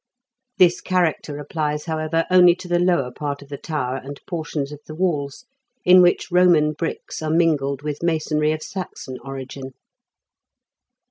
This character applies, how ever, only to the lower part of the tower and portions of the walls, in which Koman bricks are mingled with masonry of Saxon origin.